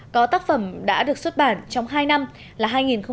có tác phẩm đã được xuất bản trong hai năm là hai nghìn một mươi sáu hai nghìn một mươi bảy